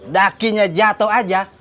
dakinya jatoh aja